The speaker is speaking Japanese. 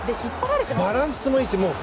バランスもいいし。